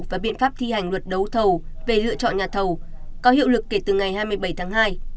và biện pháp thi hành luật đấu thầu về lựa chọn nhà thầu có hiệu lực kể từ ngày hai mươi bảy tháng hai